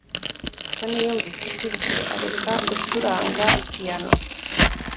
Tony yumvise ijwi rye areka gucuranga piyano